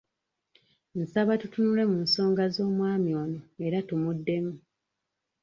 Nsaba tutunule mu nsonga z'omwami ono era tumuddemu.